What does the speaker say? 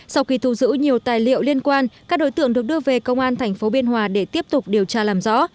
sau khi thu giữ nhiều tài liệu liên quan các đối tượng được đưa về công an tp biên hòa để tiếp tục điều tra làm rõ